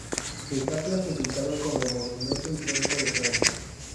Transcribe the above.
Está clasificado como Monumento Histórico de Francia.